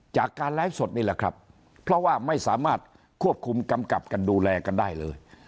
จากการไลฟ์สดนี่แหละครับเพราะว่าไม่สามารถควบคุมกำกับกันดูแลกันได้เลย